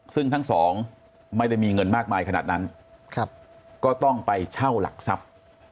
ซึ่งทั้งสองไม่ได้มีเงินมากมายขนาดนั้นก็ต้องไปเช่าหลักทรัพย์